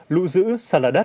lũ giữ sạt lở đất